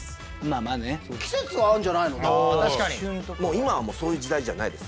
今はそういう時代じゃないです